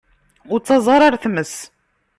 Ur ttaẓ ara ar tmes.